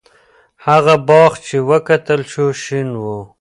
هغه باغ چې وکتل شو، شین و.